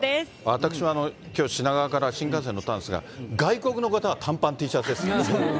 私はきょう、品川から新幹線に乗ったんですが、外国の方は短パン、Ｔシャツですね。